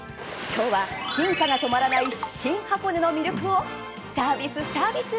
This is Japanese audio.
今日は、進化が止まらないシン・箱根の魅力をサービス！